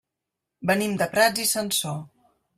Venim de Prats i Sansor.